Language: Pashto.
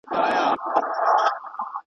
تږي شپې مي پی کړې د سبا په سرابونو کي.